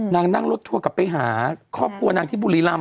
นางนั่งรถทัวร์ไปหาครอบครัวนางที่บุรีรัมธ์